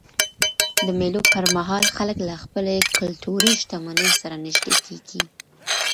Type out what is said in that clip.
د مېلو پر مهال خلک له خپلي کلتوري شتمنۍ سره نيژدې کېږي.